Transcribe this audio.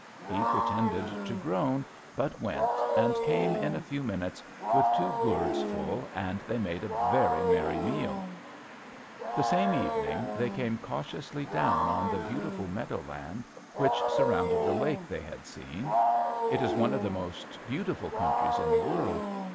He pretended to groan, but went, and came in a few minutes with two gourds full, and they made a very merry meal. The same evening they came cautiously down on the beautiful meadow land which surrounded the lake they had seen. It is one of the most beautiful countries in the world.